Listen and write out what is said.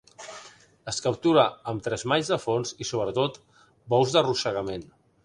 Es captura amb tresmalls de fons i, sobretot, bous d'arrossegament.